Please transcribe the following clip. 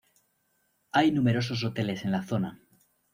Hay numerosos hoteles en la zona.